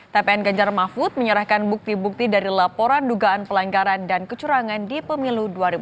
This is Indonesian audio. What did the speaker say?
tpn ganjar mahfud menyerahkan bukti bukti dari laporan dugaan pelanggaran dan kecurangan di pemilu dua ribu sembilan belas